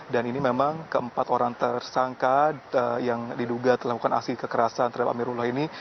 dan ini memang keempat orang tersangka yang diduga telah melakukan aksi kekerasan terhadap amirullah ini